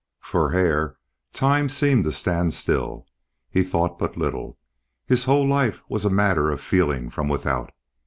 For Hare, time seemed to stand still. He thought but little; his whole life was a matter of feeling from without.